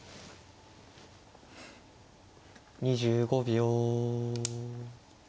２５秒。